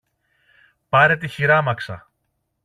Πάρε τη χειράμαξα